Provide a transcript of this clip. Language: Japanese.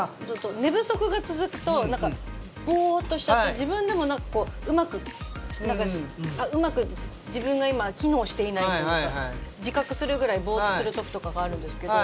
寝不足が続くとボーッとしちゃって自分でもうまく自分が今機能していないというか自覚するぐらいボーッとする時とかがあるんですけど。